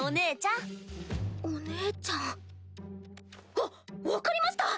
わ分かりました！